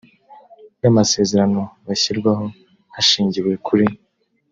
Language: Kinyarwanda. bw amasezerano bashyirwaho hashingiwe kuri